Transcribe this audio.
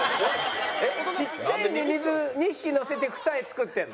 ちっちゃいミミズ２匹のせて二重作ってるの？